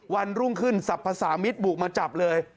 วันรุ่งขึ้นสรรพสามิตรบุกมาจับเลย